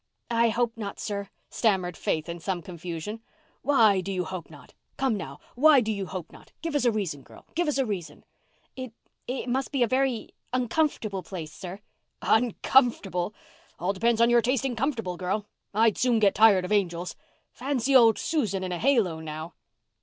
"I hope not, sir," stammered Faith in some confusion. "Why do you hope not? Come, now, why do you hope not? Give us a reason, girl—give us a reason." "It—it must be a very—uncomfortable place, sir." "Uncomfortable? All depends on your taste in comfortable, girl. I'd soon get tired of angels. Fancy old Susan in a halo, now!"